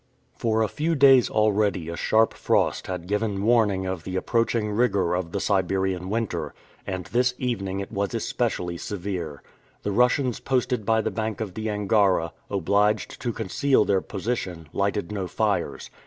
For a few days already a sharp frost had given warning of the approaching rigor of the Siberian winter, and this evening it was especially severe. The Russians posted by the bank of the Angara, obliged to conceal their position, lighted no fires.